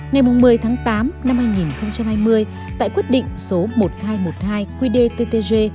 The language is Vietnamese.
ngày một mươi tháng tám năm hai nghìn hai mươi tại quyết định số một nghìn hai trăm một mươi hai qdttg